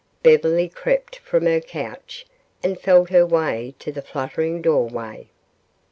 Beverly crept from her couch and felt her way to the fluttering doorway.